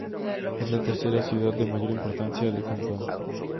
Es la tercera ciudad de mayor importancia del cantón.